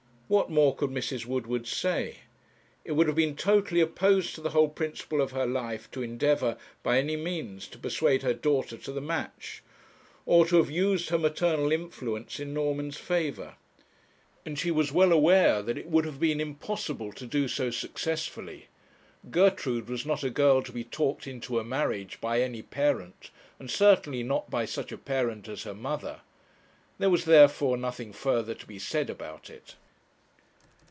What more could Mrs. Woodward say? It would have been totally opposed to the whole principle of her life to endeavour, by any means, to persuade her daughter to the match, or to have used her maternal influence in Norman's favour. And she was well aware that it would have been impossible to do so successfully. Gertrude was not a girl to be talked into a marriage by any parent, and certainly not by such a parent as her mother. There was, therefore, nothing further to be said about it.